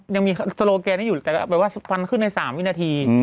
ยังมีโซโลแกนให้อยู่แต่ก็แบบว่าควันขึ้นใน๓วินาที